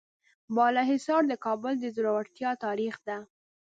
بالاحصار د کابل د زړورتیا تاریخ ده.